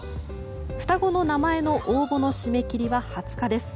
双子の名前の応募の締め切りは２０日です。